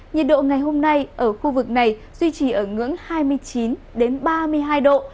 nhiệt độ ngày hôm nay ở khu vực này duy trì ở ngưỡng hai mươi chín ba mươi hai độ